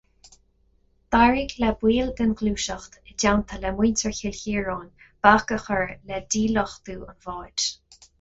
D'éirigh le baill den Ghluaiseacht, i dteannta le muintir Chill Chiaráin, bac a chur le díluchtú an bháid.